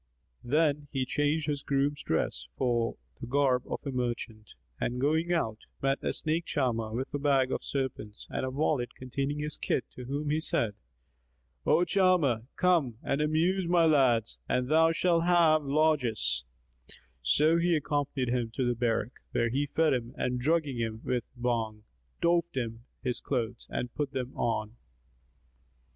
Then he changed his groom's dress for the garb of a merchant and going out, met a snake charmer, with a bag of serpents and a wallet containing his kit to whom said he, "O charmer, come and amuse my lads, and thou shalt have largesse." So he accompanied him to the barrack, where he fed him and drugging him with Bhang, doffed his clothes and put them on.